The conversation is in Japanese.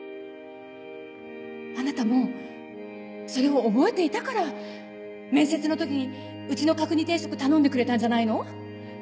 あなたもそれを覚えていたから面接の時にうちの角煮定食頼んでくれたんじゃないの？